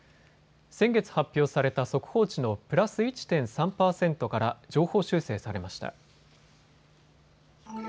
先月発表された速報値のプラス１．３％から上方修正されました。